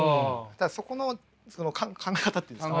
ただそこの考え方って言うんですか